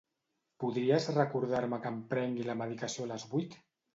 Podries recordar-me que em prengui la medicació a les vuit?